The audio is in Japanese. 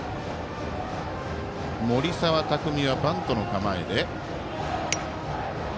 森澤拓海はバントの構え。